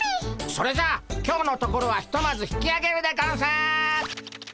それじゃあ今日のところはひとまず引きあげるでゴンス！